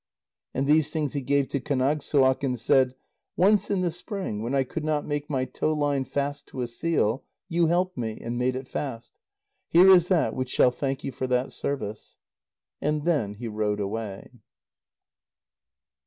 And these things he gave to Kánagssuaq, and said: "Once in the spring, when I could not make my tow line fast to a seal, you helped me, and made it fast. Here is that which shall thank you for that service." And then he rowed away.